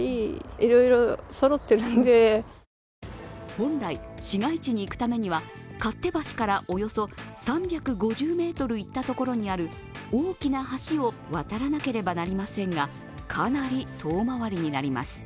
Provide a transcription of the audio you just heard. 本来、市街地に行くためには勝手橋からおよそ３５０ｍ行ったところにある大きな橋を渡らなければなりませんが、かなり遠回りになります。